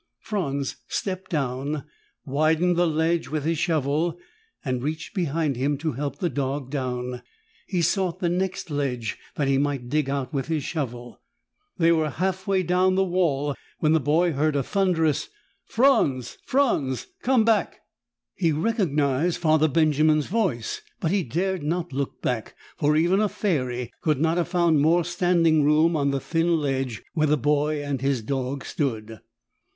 Franz stepped down, widened the ledge with his shovel and reached behind him to help the dog down. He sought the next ledge that he might dig out with his shovel. They were halfway down the wall when the boy heard a thunderous, "Franz! Franz! Come back!" He recognized Father Benjamin's voice but he dared not look back, for even a fairy could not have found more standing room on the thin ledge where the boy and his dog stood.